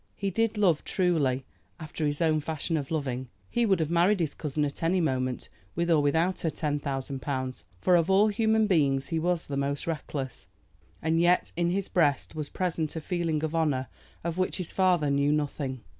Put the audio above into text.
He did love truly, after his own fashion of loving. He would have married his cousin at any moment, with or without her ten thousand pounds, for of all human beings he was the most reckless. And yet in his breast was present a feeling of honor of which his father knew nothing.